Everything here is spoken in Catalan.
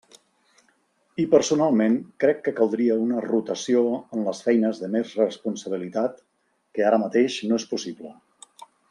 I personalment crec que caldria una rotació en les feines de més responsabilitat que ara mateix no és possible.